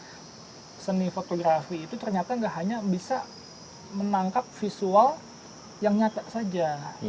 jadi yang diperkenalkan nih fotografi itu ternyata nggak hanya bisa menangkap visual yang nyata saja